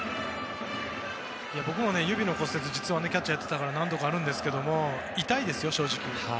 僕も指の骨折はキャッチャーやっていたから何度かあるんですけど痛いですよ、正直。